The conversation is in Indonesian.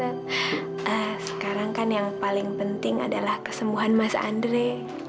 nah sekarang kan yang paling penting adalah kesembuhan mas andre